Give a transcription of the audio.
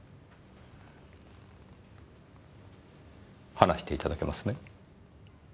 話していただけますね？